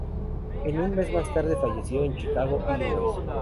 Un mes más tarde falleció en Chicago, Illinois.